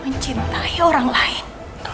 mencintai orang lain